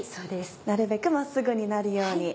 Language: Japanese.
なるべく真っすぐになるように。